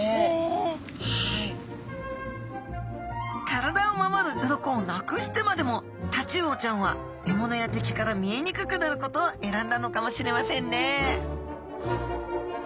体を守る鱗をなくしてまでもタチウオちゃんは獲物や敵から見えにくくなることを選んだのかもしれませんね